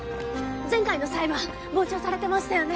前回の裁判傍聴されてましたよね。